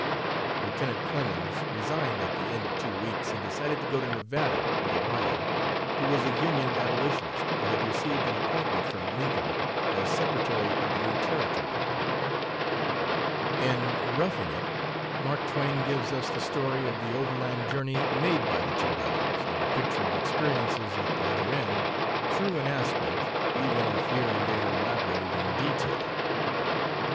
Lieutenant Clemens resigned at the end of two weeks, and decided to go to Nevada with Orion, who was a Union abolitionist and had received an appointment from Lincoln as Secretary of the new Territory. In 'Roughing It' Mark Twain gives us the story of the overland journey made by the two brothers, and a picture of experiences at the other end true in aspect, even if here and there elaborated in detail.